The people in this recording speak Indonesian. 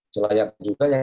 selayak juga yang